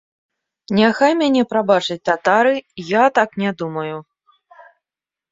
Няхай мяне прабачаць татары, я так не думаю.